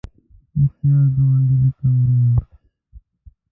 هوښیار ګاونډی لکه ورور